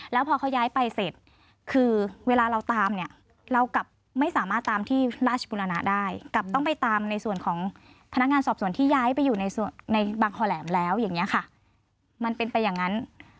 แล้วพอเขาย้ายไปเสร็จคือเวลาเราตามเนี่ยเรากลับไม่สามารถตามที่ราชบุรณะได้กลับต้องไปตามในส่วนของพนักงานสอบส่วนที่ย้ายไปอยู่ในบางคอแหลมแล้วอย่างนี้ค่ะมันเป็นไปอย่างนั้น